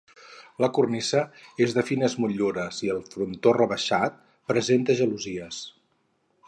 La cornisa és de fines motllures i el frontó, rebaixat, presenta gelosies.